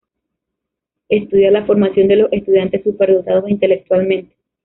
Estudia la formación de los estudiantes superdotados intelectualmente.